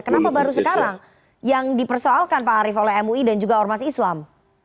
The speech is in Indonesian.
kenapa baru sekarang yang dipersoalkan pak arief oleh mui dan juga ormas islam